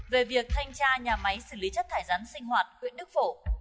về việc thanh tra nhà máy xử lý chất thải rắn sinh hoạt huyện đức phổ